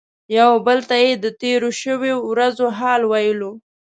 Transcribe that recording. یو بل ته یې د تیرو شویو ورځو حال ویلو.